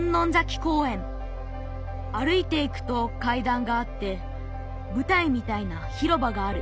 歩いていくとかいだんがあってぶたいみたいな広場がある。